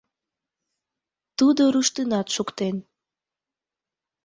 Тудо руштынат шуктен.